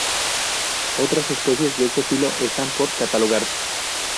Otras especies de este filo están por catalogarse.